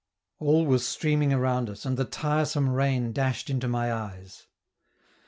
All was streaming around us, and the tiresome rain dashed into my eyes.